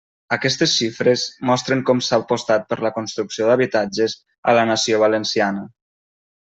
Aquestes xifres mostren com s'ha apostat per la construcció d'habitatges a la nació valenciana.